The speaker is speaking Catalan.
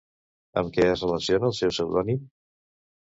Amb què es relaciona el seu pseudònim?